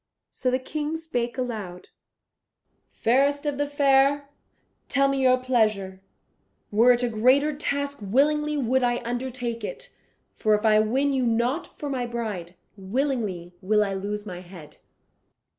So the King spake aloud, "Fairest of the fair, tell me your pleasure; were it a greater task willingly would I undertake it, for if I win you not for my bride, willingly will I lose my head."